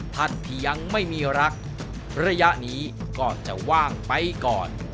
ท่านที่ยังไม่มีรักระยะนี้ก็จะว่างไปก่อน